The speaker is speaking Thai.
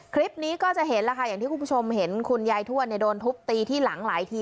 คลิปนี้ก็จะเห็นแล้วค่ะอย่างที่คุณผู้ชมเห็นคุณยายทวดโดนทุบตีที่หลังหลายที